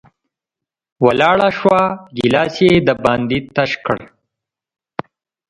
ولاړه شوه، ګېلاس یې د باندې تش کړ